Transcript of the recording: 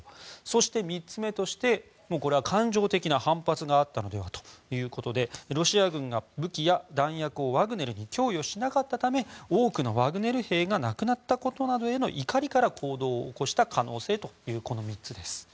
そして、３つ目としてこれは感情的な反発があったのではないかということでロシア軍が武器や弾薬をワグネルに供与しなかったため多くのワグネル兵が亡くなったことなどへの怒りから行動を起こした可能性というこの３つです。